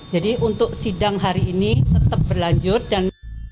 jadi untuk sidang hari ini tetap berlanjut dan